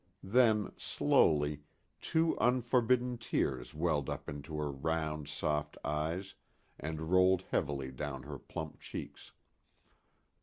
Then, slowly, two unbidden tears welled up into her round, soft eyes and rolled heavily down her plump cheeks.